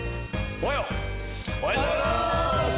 おはようございます！